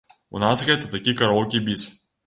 У нас гэта такі караоке-біс.